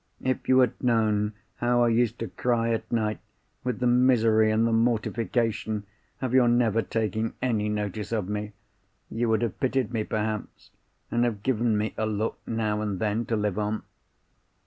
If you had known how I used to cry at night with the misery and the mortification of your never taking any notice of me, you would have pitied me perhaps, and have given me a look now and then to live on.